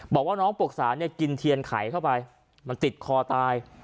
บอกว่าน้องปรกสาเนี่ยกินเทียนไขเข้าไปมันติดคอตาย